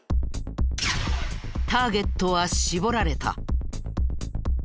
ターゲットは絞られた。